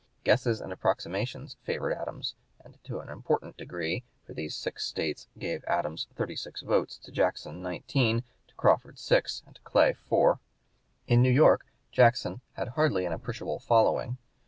Guesses and approximations favored Adams, and to an important degree; for these six States gave to Adams thirty six votes, to Jackson nineteen, to Crawford six, to Clay four. In New York, Jackson had hardly an appreciable following.